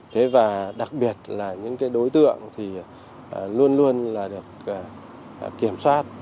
thế và đặc biệt là những cái đối tượng thì luôn luôn là được kiểm soát